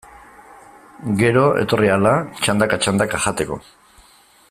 Gero, etorri ahala, txandaka-txandaka jateko.